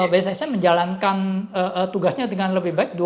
solusinya ya satu bssn menjalankan tugasnya dengan lebih baik